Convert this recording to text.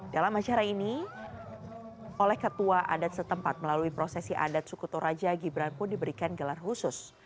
dalam acara ini oleh ketua adat setempat melalui prosesi adat suku toraja gibran pun diberikan gelar khusus